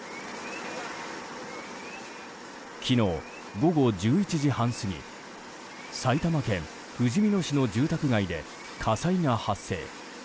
昨日午後１１時半過ぎ埼玉県ふじみ野市の住宅街で火災が発生。